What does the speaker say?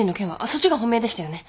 そっちが本命でしたよね。